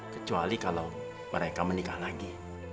kecuali kalau mereka menikah lagi